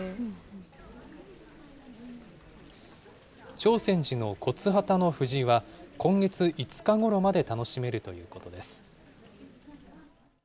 長泉寺の骨波田の藤は、今月５日ごろまで楽しめるということです。